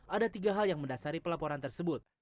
ada tiga hal yang mendasari pelaporan tersebut